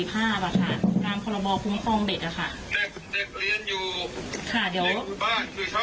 ถ้าคุณเอาหลักฐานอะไรมาไว้ที่นี่อันตรายคุณดูบ้านช่องก็รีดไปดูห้องเด็กซิ